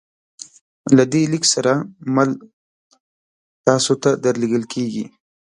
له دې لیک سره مل تاسو ته درلیږل کیږي